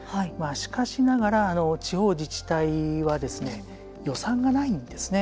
しかしながら地方自治体は予算がないんですね。